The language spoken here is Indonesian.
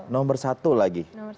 nomor satu lagi